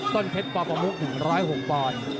ต้นเข็ดเป่ห์ประมุก๑๐๖พร